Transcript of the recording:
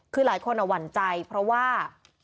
คือหลายคนหวั่นใจเพราะว่า